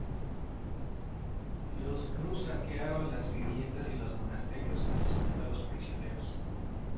Los Rus saquearon las viviendas y los monasterios, asesinando a los prisioneros.